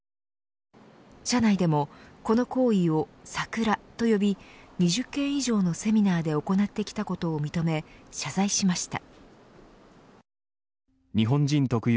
社内でもこの行為をサクラと呼び２０件以上のセミナーで行ってきたことを認め謝罪しました。